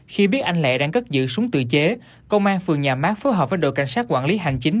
khi biết anh lệ đang cất giữ súng tự chế công an phường nhà mát phối hợp với đội cảnh sát quản lý hành chính